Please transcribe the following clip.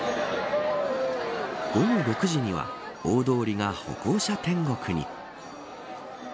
午後６時には大通りが歩行者天国に。